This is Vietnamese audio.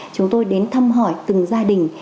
chúng tôi đến thăm hỏi từng gia đình